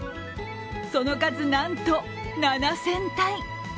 その数、なんと７０００体。